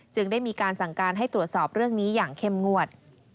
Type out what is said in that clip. ได้มีการสั่งการให้ตรวจสอบเรื่องนี้อย่างเข้มงวด